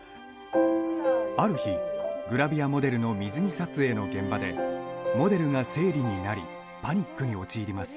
ある日、グラビアモデルの水着撮影の現場でモデルが生理になりパニックに陥ります。